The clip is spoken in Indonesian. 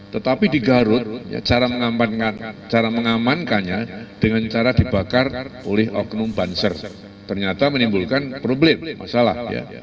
tetapi di garut cara mengamankannya dengan cara dibakar oleh oknum banser ternyata menimbulkan problem masalah